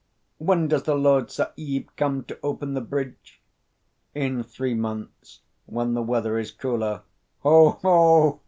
When does the Lord Sahib come to open the bridge?" "In three months, when the weather is cooler." "Ho! ho!